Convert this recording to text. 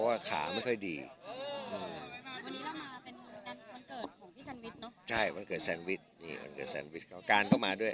วันเกิดของพี่แซนวิชเนอะใช่วันเกิดแซนวิชนี่วันเกิดแซนวิชเขาการก็มาด้วย